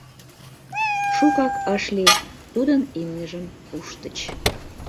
Шукак ыш лий — тудын имньыжым пуштыч.